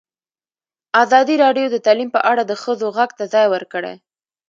ازادي راډیو د تعلیم په اړه د ښځو غږ ته ځای ورکړی.